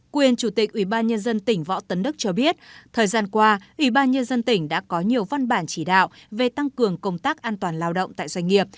quyền chủ tịch ubnd tỉnh võ tấn đức cho biết thời gian qua ubnd tỉnh đã có nhiều văn bản chỉ đạo về tăng cường công tác an toàn lao động tại doanh nghiệp